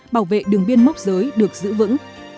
bảo vệ đường biên mốc giới được giữ vững